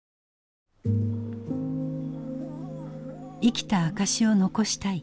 「生きた証しを残したい」。